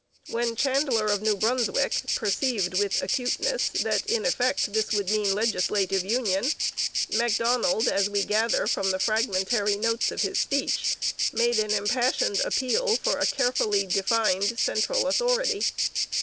When Chandler of New Brunswick perceived with acuteness that in effect this would mean legislative union, Macdonald, as we gather from the fragmentary notes of his speech, made an impassioned appeal for a carefully defined central authority.